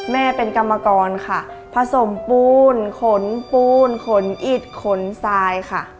แม่เป็นกรรมกรค่ะผสมปูนขนปูนขนอิดขนทรายค่ะ